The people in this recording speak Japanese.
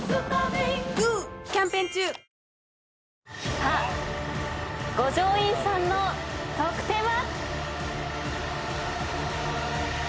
さあ五条院さんの得点は？